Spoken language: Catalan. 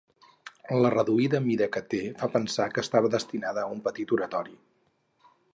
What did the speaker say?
La reduïda mida que té fa pensar que estava destinada a un petit oratori.